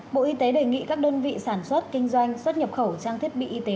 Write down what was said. bộ y tế đề nghị các đơn vị sản xuất kinh doanh xuất nhập khẩu trang thiết bị y tế